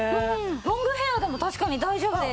ロングヘアでも確かに大丈夫です。